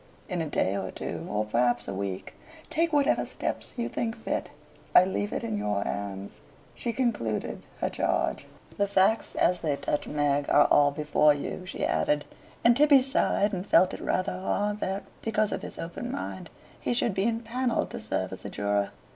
In a day or two or perhaps a week take whatever steps you think fit. I leave it in your hands." She concluded her charge. "The facts as they touch Meg are all before you," she added; and Tibby sighed and felt it rather hard that, because of his open mind, he should be empanelled to serve as a juror.